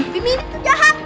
baby ini tuh jahat